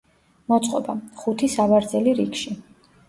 მოწყობა: ხუთი სავარძელი რიგში.